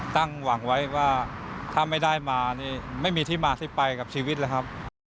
ตั้งหวังไว้ว่าถ้าไม่ได้มานี่ไม่มีที่มาที่ไปกับชีวิตเลยครับ